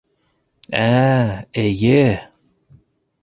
Ә, эйе!